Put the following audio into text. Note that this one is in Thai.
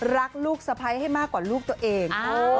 รักลูกสะพ้ายให้มากกว่าลูกตัวเอง